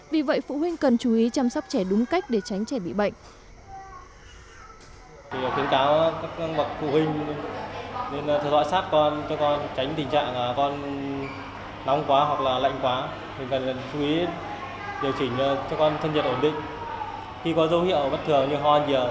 vì vậy phụ huynh cần chú ý chăm sóc trẻ đúng cách để tránh trẻ bị bệnh